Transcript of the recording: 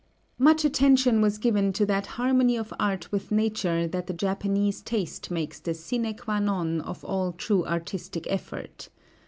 Much attention was given to that harmony of art with nature that the Japanese taste makes the sine qua non of all true artistic effort.